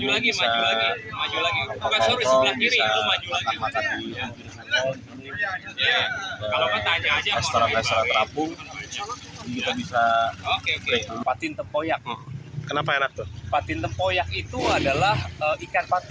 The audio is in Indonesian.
bisa makan makan gole tes terang teserang terapung kita bisa